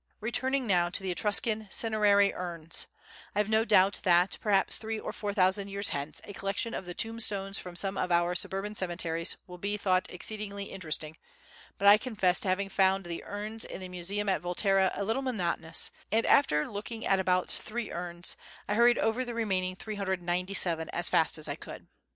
Returning now to the Etruscan cinerary urns—I have no doubt that, perhaps three or four thousand years hence, a collection of the tombstones from some of our suburban cemeteries will be thought exceedingly interesting, but I confess to having found the urns in the Museum at Volterra a little monotonous and, after looking at about three urns, I hurried over the remaining 397 as fast as I could.